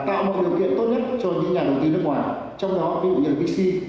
thực hiện tốt nhất cho những nhà đồng tiền nước ngoài trong đó cũng như là bixi